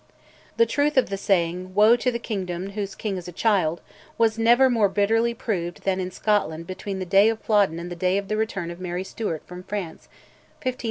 The truth of the saying, "Woe to the kingdom whose king is a child," was never more bitterly proved than in Scotland between the day of Flodden and the day of the return of Mary Stuart from France (1513 1561).